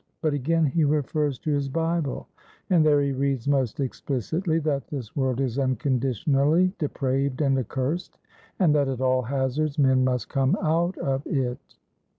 But again he refers to his Bible, and there he reads most explicitly, that this world is unconditionally depraved and accursed; and that at all hazards men must come out of it.